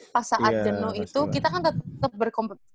pas saat jenuh itu kita kan tetap berkompetisi